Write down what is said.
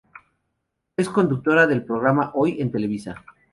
Es conductora del programa "Hoy" en Televisa.